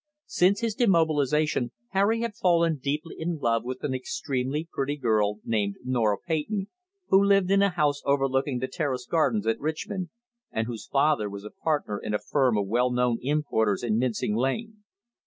Since his demobilization Harry had fallen deeply in love with an extremely pretty girl named Norah Peyton, who lived in a house overlooking the Terrace Gardens at Richmond, and whose father was partner in a firm of well known importers in Mincing Lane.